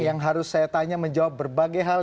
yang harus saya tanya menjawab berbagai hal